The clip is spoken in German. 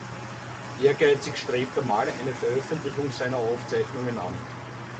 Ehrgeizig strebt Amal eine Veröffentlichung seiner Aufzeichnungen an.